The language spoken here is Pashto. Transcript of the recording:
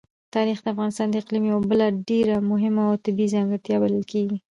تاریخ د افغانستان د اقلیم یوه بله ډېره مهمه او طبیعي ځانګړتیا بلل کېږي.